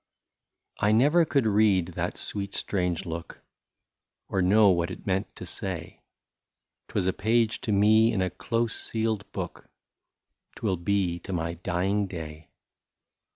I NEVER could read that sweet strange look, Or know what it meant to say ; 'T was a page to me in a close sealed book, — 'T will be to my dying day.